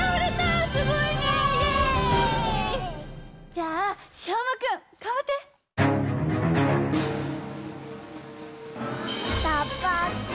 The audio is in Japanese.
じゃあしょうまくんがんばって！